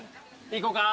行こうか。